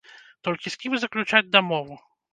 Толькі з кім заключаць дамову?